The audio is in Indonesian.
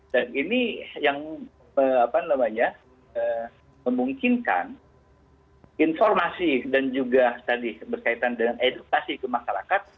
dan ini yang memungkinkan informasi dan juga tadi berkaitan dengan edukasi ke masyarakat